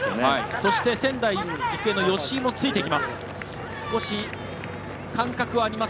そして、仙台育英の吉居もついていきます。